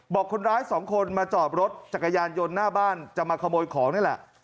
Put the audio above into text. บอกคนร้ายสองคนมาจอบรถจักรยานยนต์หน้าบ้านจะมาขโมยของนี่แหละ